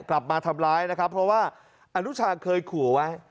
กลับมาทำร้ายนะครับเพราะว่าอนุชาเคยขู่ไว้